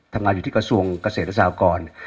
ทำงานอยู่ที่กระทรวงเกษตรและสหกร